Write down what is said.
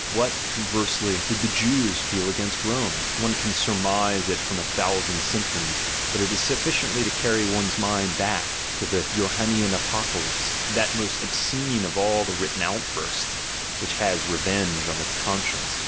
What, conversely, did the Jews feel against Rome? One can surmise it from a thousand symptoms, but it is sufficient to carry one's mind back, to the Johannian Apocalypse, that most obscene of all the written outbursts, which has revenge on its conscience.